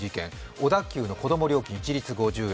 小田急の子供料金一律５０円。